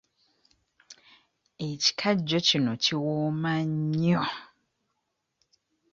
Ekikajjo kino kiwooma nnyo.